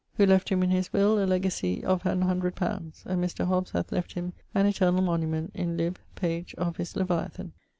who left him, in his will, a legacy of an hundred poundes: and Mr. Hobbes hath left him an eternall monument in lib.... pag.... of his Leviathan.